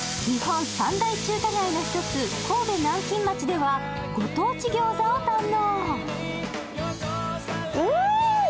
日本３大中華街の一つ神戸南京町では、ご当地ギョーザを堪能。